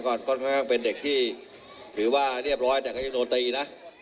ค่อนข้างเป็นเด็กที่ถือว่าเรียบร้อยแต่ก็ยังโดนตีนะ